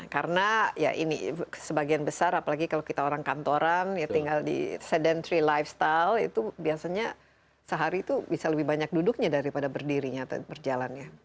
karena ya ini sebagian besar apalagi kalau kita orang kantoran ya tinggal di sedentary lifestyle itu biasanya sehari itu bisa lebih banyak duduknya daripada berdirinya atau berjalannya